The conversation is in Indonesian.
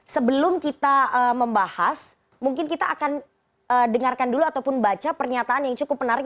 sebelum kita membahas mungkin kita akan dengarkan dulu ataupun baca pernyataan yang cukup menarik